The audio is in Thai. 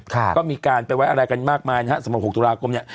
ก็มีการไปไว้อะไรกันมากมายนะฮะสำหรับ๖ตุลาคมเนี่ย